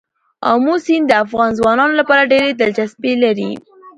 آمو سیند د افغان ځوانانو لپاره ډېره دلچسپي لري.